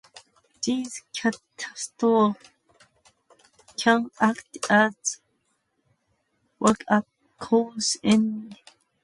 These catastrophes can act as wakeup calls and catalysts for transformative actions.